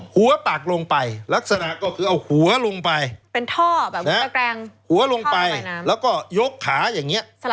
หัวปักลงไปลักษณะก็คือเอาหัวลงไปหัวลงไปแล้วก็ยกขาอย่างนี้